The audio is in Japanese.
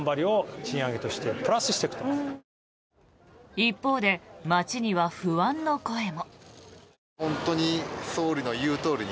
一方で、街には不安の声も。